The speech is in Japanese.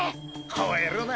吠えるな。